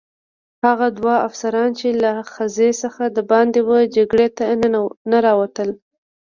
هغه دوه افسران چې له خزې څخه دباندې وه جګړې ته نه راوتل.